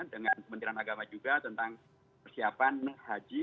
dengan kementerian agama juga tentang persiapan haji